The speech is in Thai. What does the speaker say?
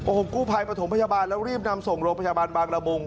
โอ้โหกู้ภัยประถมพยาบาลแล้วรีบนำส่งโรงพยาบาลบางละมุง